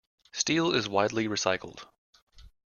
Steel is widely recycled.